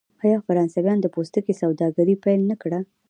آیا فرانسویانو د پوستکي سوداګري پیل نه کړه؟